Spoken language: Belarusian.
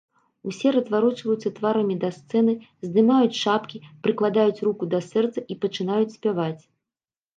Усе разварочваюцца тварамі да сцэны, здымаюць шапкі, прыкладаюць руку да сэрца і пачынаюць спяваць.